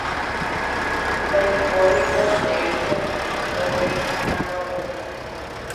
Ndaipóriko ndéicha oñeha'ãrõva